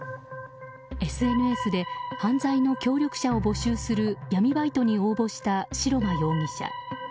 ＳＮＳで犯罪の協力者を募集する闇バイトに応募した白間容疑者。